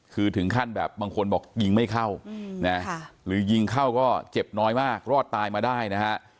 คือถึงขั้นแบบบางคนบอกยิงไม่เข้านะหรือยิงเข้าก็เจ็บน้อยมากรอดตายมาได้นะฮะ